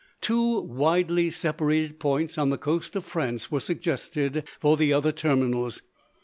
Two widely separated points on the coast of France were suggested for the other terminals.